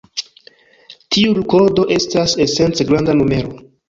Tiu kodo estas esence granda numero.